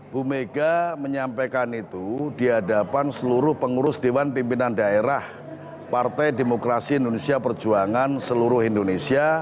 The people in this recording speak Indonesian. bu mega menyampaikan itu di hadapan seluruh pengurus dewan pimpinan daerah partai demokrasi indonesia perjuangan seluruh indonesia